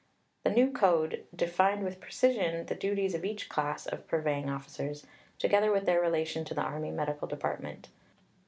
The new Code "defined with precision the duties of each class of purveying officers, together with their relation to the Army Medical Department.